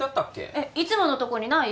えっいつものとこにない？